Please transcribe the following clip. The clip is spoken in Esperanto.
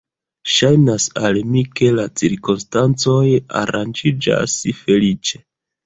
Ŝajnas al mi, ke la cirkonstancoj aranĝiĝas feliĉe.